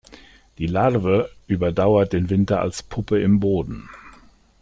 Die Larve überdauert den Winter als Puppe im Boden.